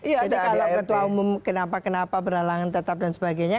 jadi kalau ketua umum kenapa kenapa beralangan tetap dan sebagainya